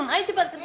ayo cepet kerjain